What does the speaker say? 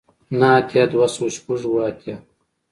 نه اتیای دوه سوه شپږ اوه اتیا